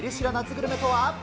グルメとは。